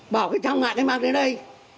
bảo cái thăm ngại anh mang đến đây